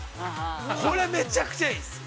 これ、めちゃくちゃいい。